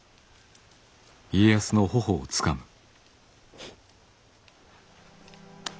フッ。